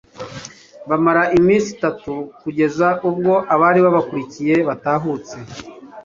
bahamara iminsi itatu kugeza ubwo abari babakurikiye batahutse